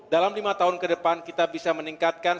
dalam lima tahun ke depan kita bisa meningkatkan